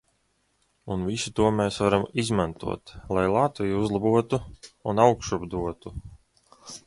Un visu to mēs varam izmantot, lai Latviju uzlabotu un augšup dotu.